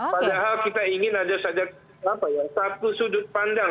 padahal kita ingin ada saja satu sudut pandang